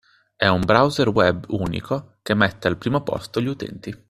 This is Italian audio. È un browser web unico che mette al primo posto gli utenti